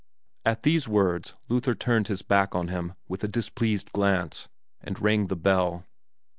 At these words Luther turned his back on him, with a displeased glance, and rang the bell.